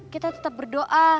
kita tetep berdoa